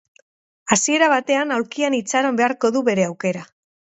Hasiera batean aulkian itxaron beharko du bere aukera.